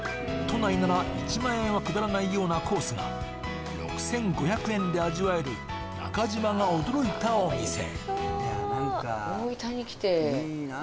都内なら１万円はくだらないようなコースが６５００円で味わえる中島が驚いたお店。